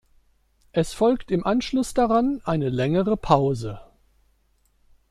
Es folgte im Anschluss daran eine längere Pause.